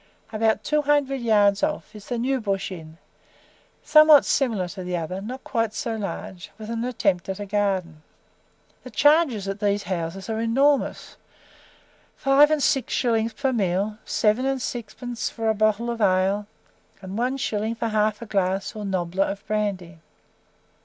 About two hundred yards off is the "New Bush Inn," somewhat similar to the other, not quite so large, with an attempt at a garden. The charges at these houses are enormous. Five and six shillings per meal, seven and sixpence for a bottle of ale, and one shilling for half a glass or "nobbler" of brandy.